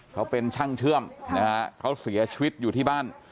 เขาเป็นช่างเชื่อมนะฮะเขาเสียชีวิตอยู่ที่บ้าน